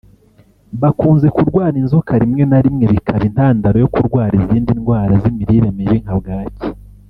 bakunze kurwara inzoka rimwe na rimwe bikaba intandaro yo kurwara izindi ndwara z'imirire mibi nka bwaki